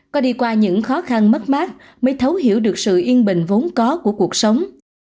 có đi qua những khó khăn mất mát mới thấu hiểu được sự yên bình vốn có của cuộc sống